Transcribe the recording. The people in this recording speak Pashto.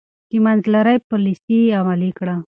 د منځلارۍ پاليسي يې عملي کړه.